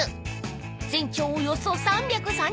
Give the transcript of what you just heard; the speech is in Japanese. ［全長およそ３３０ｍ］